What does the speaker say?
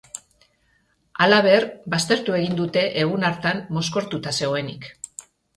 Halaber, baztertu egin dute egun hartan mozkortuta zegoenik.